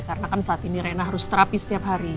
karena kan saat ini rena harus terapi setiap hari